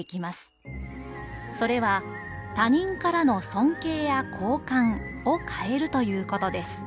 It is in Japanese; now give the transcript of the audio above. それは他人からの尊敬や好感を買えるということです。